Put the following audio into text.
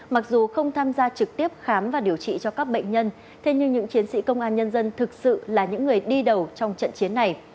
mặc dù không tham gia trực tiếp khám và điều trị cho các bệnh nhân thế nhưng những chiến sĩ công an nhân dân thực sự là những người đi đầu trong trận chiến này